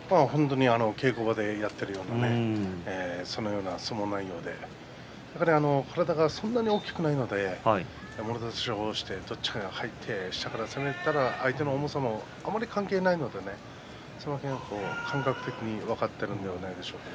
稽古場でやっているのと同じような相撲内容で体がそんなに大きくないのでもろ差し、力が入って下から攻めると相手の重さもあまり関係ないので感覚的に分かっているのではないでしょうか。